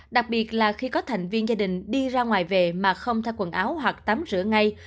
đặc biệt là khi có thành viên gia đình đi ra ngoài về mà không theo quần áo hoặc tắm rửa ngay